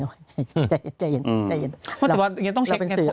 ถ้าอย่างนี้ยังต้องตรวจสินภาพถูปอีสิทธิ์